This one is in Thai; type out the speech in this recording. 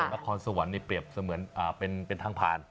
นครสวรรค์นี่เปรียบเสมือนเป็นทางผ่าน